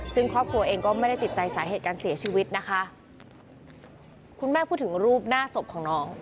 ซึ่งครอบครัวเองก็ไม่ได้ติดใจสาเหตุการเสียชีวิตนะคะคุณแม่พูดถึงรูปหน้าศพของน้อง